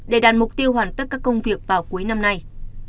để đạt mục tiêu hoàn tất các công việc vào cuối năm nay